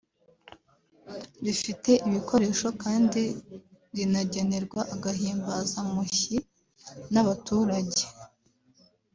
rifite ibikoresho kandi rinagenerwa agahimbaza mushyi n’abaturage”